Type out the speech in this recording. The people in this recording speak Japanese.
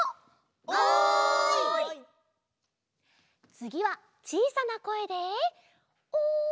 つぎはちいさなこえでおい！